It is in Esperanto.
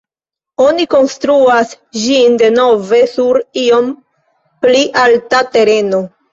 Oni konstruas ĝin denove sur iom pli alta tereno.